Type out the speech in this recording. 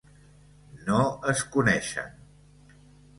No es coneixen.